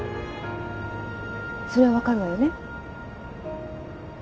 それは分かるわよね？